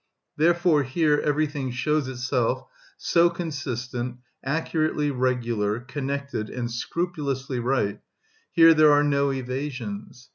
Therefore here everything shows itself so consistent, accurately regular, connected, and scrupulously right; here there are no evasions.